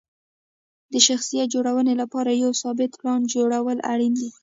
د شخصیت جوړونې لپاره یو ثابت پلان جوړول اړین دي.